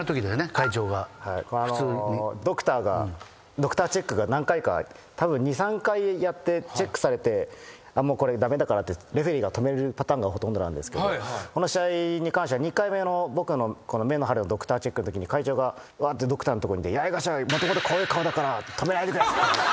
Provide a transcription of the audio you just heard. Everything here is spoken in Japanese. ドクターチェックが何回かたぶん２３回やってチェックされてもうこれ駄目だからってレフェリーが止めるパターンがほとんどなんですけどこの試合に関しては２回目の僕の目の腫れのドクターチェックのときに会長がわーってドクターのとこに行って八重樫は。